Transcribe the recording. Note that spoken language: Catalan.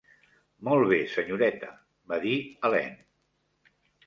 "Molt bé, senyoreta", va dir Helene.